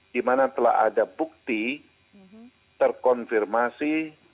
di mana telah ada bukti terkonfirmasi